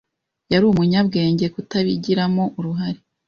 Yari umunyabwenge kutabigiramo uruhare.